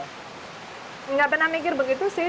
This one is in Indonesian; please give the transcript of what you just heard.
tidak pernah mikir begitu sih